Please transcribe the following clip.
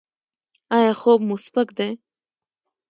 ایا خوب مو سپک دی؟